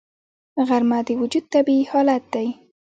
غرمه د وجود طبیعي حالت دی